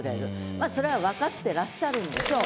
まあそれは分かってらっしゃるんでしょう。